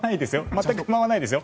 全く不満はないですよ。